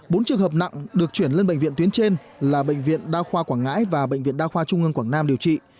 bốn trường hợp nặng được chuyển lên bệnh viện tuyến trên là bệnh viện đa khoa quảng ngãi và bệnh viện đa khoa trung ương quảng nam điều trị